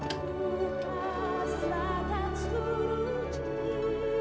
kuserahkan seluruh jiwaku